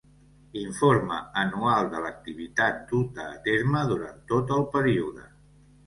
Informe anual de l'activitat duta a terme durant tot el període.